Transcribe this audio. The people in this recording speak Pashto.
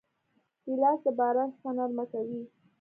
ګیلاس د باران شپه نرمه کوي.